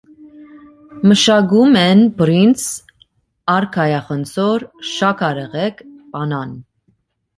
Մշակում են բրինձ, արքայախնձոր, շաքարեղեգ, բանան։